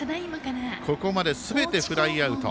ここまで、すべてフライアウト。